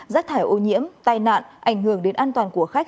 rác thải ô nhiễm tai nạn ảnh hưởng đến an toàn của khách